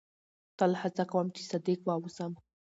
تل هڅه کوم، چي صادق واوسم.